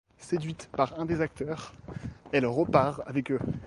Séduite par un des acteurs, elle repart avec eux.